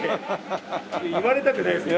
言われたくないですよ。